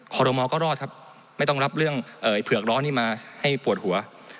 ขอรมอลก็รอดครับไม่ต้องรับเรื่องเผือกร้อนนี้มาให้ปวดหัว